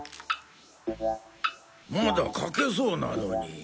まだ書けそうなのに。